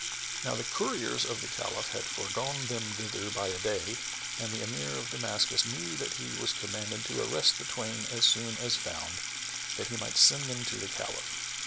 Now the couriers of the Caliph had foregone them thither by a day and the Emir of Damascus knew that he was commanded to arrest the twain as soon as found, that he might send them to the Caliph.